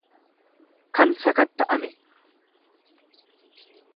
kan sakatta'ame.